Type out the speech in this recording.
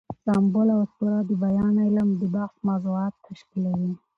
سمبول او اسطوره هم د بیان علم د بحث موضوعات تشکیلوي.